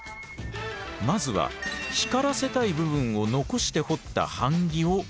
まずは光らせたい部分を残して彫った版木を用意。